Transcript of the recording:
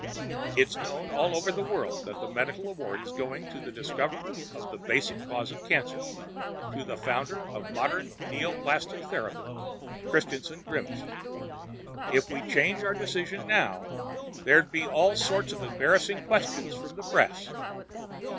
It's known all over the world that the medical award is going to the discoverer of the basic cause of cancer, to the founder of modern neoplastic therapy." Christianson grimaced. "If we changed our decision now, there'd be all sorts of embarrassing questions from the press."